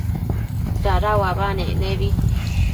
dada uabanec nebi